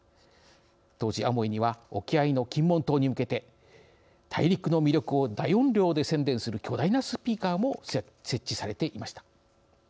当時、アモイには沖合の金門島に向けて大陸の魅力を大音量で宣伝する巨大なスピーカーも設置されていました。